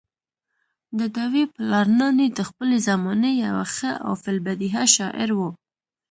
ددوي پلار نانے د خپلې زمانې يو ښۀ او في البديهه شاعر وو